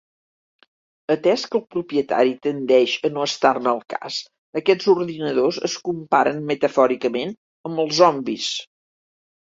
Atès que el propietari tendeix a no estar-ne al cas, aquests ordinadors es comparen metafòricament amb els zombis.